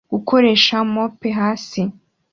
Gukoresha mope hasi